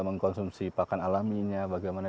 mengkonsumsi pakan alaminya bagaimana